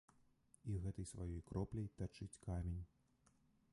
І гэтай сваёй кропляй тачыць камень.